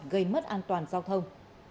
gây mất an toàn giao thông